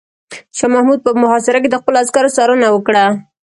شاه محمود په محاصره کې د خپلو عسکرو څارنه وکړه.